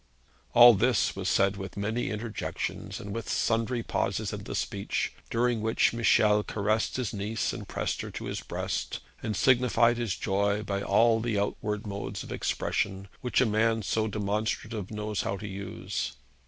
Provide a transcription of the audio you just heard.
All this was said with many interjections, and with sundry pauses in the speech, during which Michel caressed his niece, and pressed her to his breast, and signified his joy by all the outward modes of expression which a man so demonstrative knows how to use.